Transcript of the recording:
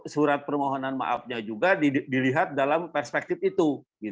surat permohonan maafnya juga dilihat dalam perspektif itu